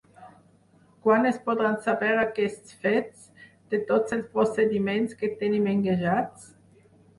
Quan es podran saber aquests fets, de tots els procediments que tenim engegats?